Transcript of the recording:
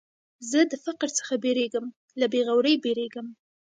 زه د فقر څخه بېرېږم، له بېغورۍ بېرېږم.